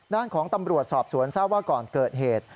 ด้านของตำรวจสอบสวนทราบว่าก่อนเกิดเหตุ